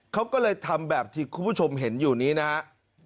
เขาก็เลยทำแบบที่คุณผู้ชมเห็นอยู่นี้นะครับ